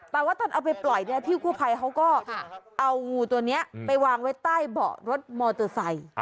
แต่ว่าตอนเอาไปปล่อยเนี่ยพี่กู้ภัยเขาก็เอางูตัวนี้ไปวางไว้ใต้เบาะรถมอเตอร์ไซค์